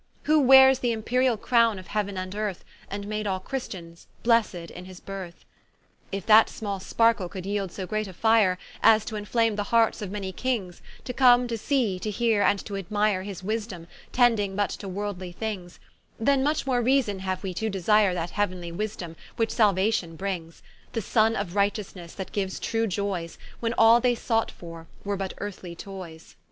Who weares th'imperiall crowne of heauen and earth, And made all Christians blessed in his berth. If that small sparke could yeeld so great a fire, As to inflame the hearts of many Kings To come to see, to heare, and to admire His wisdome, tending but to worldly things; Then much more reason haue we to desire That heau'nly wisedome, which saluation brings; The Sonne of righteousnesse, that giues true joyes, When all they sought for, were but Earthly toyes.